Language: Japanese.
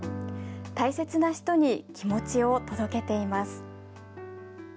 大切な人に気持ちを届けています。